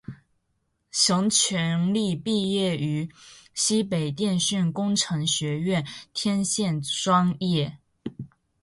熊群力毕业于西北电讯工程学院天线专业。